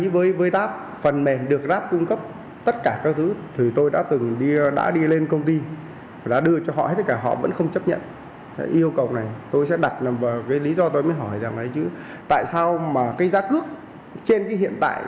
với lý do tôi mới hỏi là tại sao mà cái giá cước trên cái hiện tại